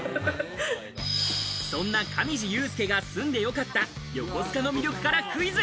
そんな上地雄輔が住んで良かった横須賀の魅力からクイズ。